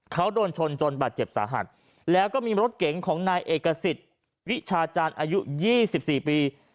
เขาโดนชนจนบาดเจ็บสาหัสแล้วก็มีรถเก๋งของนายเอกสิทธิ์วิชาจารย์อายุ๒๔ปี